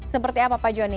seperti apa pak joni